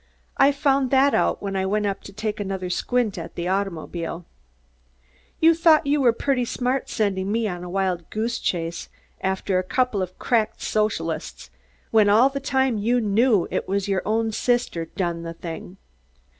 I found that out when I went up to take another squint at the automobile. You thought you were pretty smart sendin' me on a wild goose chase after a couple of cracked Socialists, when all the time you knew it was your own sister done the thing.